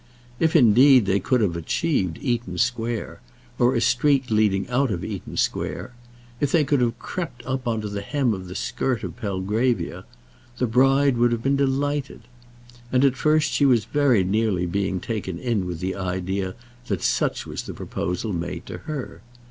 If, indeed, they could have achieved Eaton Square, or a street leading out of Eaton Square, if they could have crept on to the hem of the skirt of Belgravia, the bride would have been delighted. And at first she was very nearly being taken in with the idea that such was the proposal made to her.